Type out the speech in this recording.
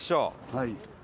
はい。